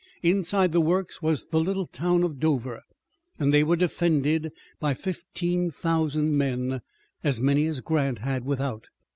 Inside the works was the little town of Dover, and they were defended by fifteen thousand men, as many as Grant had without.